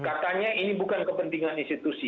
katanya ini bukan kepentingan institusi